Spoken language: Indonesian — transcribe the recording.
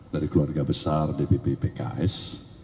dari keluarga besar dpp pks